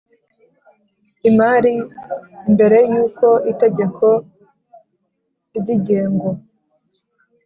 imari mbere y uko itegeko ry ingengo